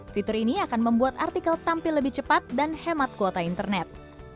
fitur ini akan membuat artikel tampil lebih cepat dan hemat kuota internet